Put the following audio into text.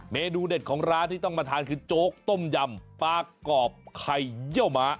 เมนูเด็ดของร้านที่ต้องมาทานคือโจ๊กต้มยำปลากรอบไข่เยี่ยวม้า